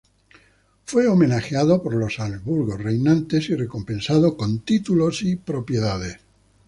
Fue homenajeado por los Habsburgo reinantes y recompensado con títulos y propiedades.